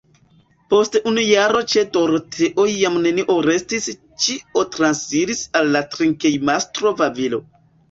Post unu jaro ĉe Doroteo jam nenio restis ĉio transiris al la drinkejmastro Vavilo.